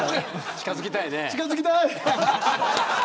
近づきたいね。